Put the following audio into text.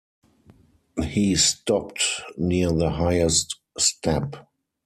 He stopped near the highest step.